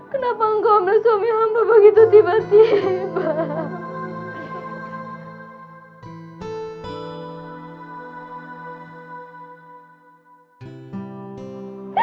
kenapa kau ambil suami hamba begitu tiba tiba